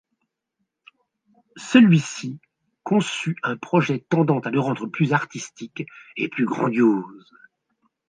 Celui-ci conçut un projet tendant à le rendre plus artistique et plus grandiose.